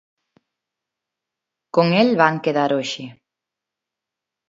Con el van quedar hoxe.